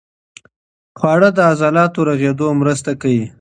خواړه د عضلاتو رغېدو مرسته کوي.